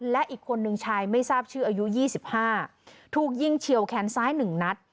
และอีกคนนึงชายไม่ทราบชื่ออายุ๒๕ถูกยิงเฉียวแขนซ้าย๑นัด